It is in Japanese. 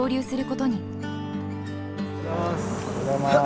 おはようございます。